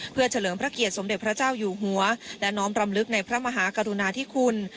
เพื่อเฉลิมพระเกียรติสมเด็จพระเจ้าอยู่หัวและน้อมรำลึกในพระมหากรุณาธิคุณ